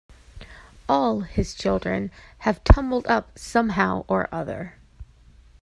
All his children have tumbled up somehow or other.